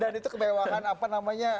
dan itu kemewahan